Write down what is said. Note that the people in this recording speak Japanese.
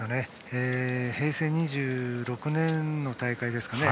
平成２６年の大会ですかね